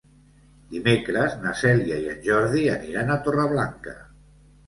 Dimecres na Cèlia i en Jordi aniran a Torreblanca.